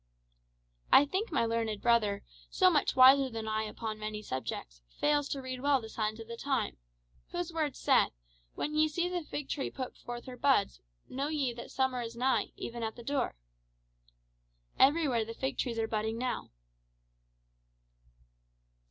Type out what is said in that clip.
"I think my learned brother, so much wiser than I upon many subjects, fails to read well the signs of the times. Whose Word saith, 'When ye see the fig tree put forth her buds, know ye that summer is nigh, even at the door'? Everywhere the fig trees are budding now."